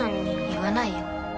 言わないよ。